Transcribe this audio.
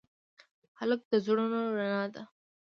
هلک د زړونو رڼا ده.